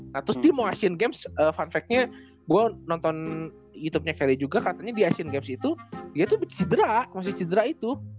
nah terus tim asian games fun factnya gue nonton youtubenya ferry juga katanya di asian games itu dia tuh cedera masih cedera itu